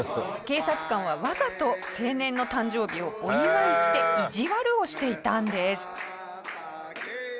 警察官はわざと青年の誕生日をお祝いして意地悪をしていたんです。